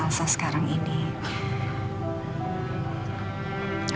aku lupa vape ada and rose di sana